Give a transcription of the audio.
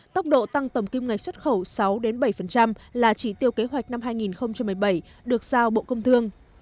tốc độ tăng tầm kim ngạch xuất khẩu sáu bảy là chỉ tiêu kế hoạch năm hai nghìn một mươi bảy được giao bộ công thương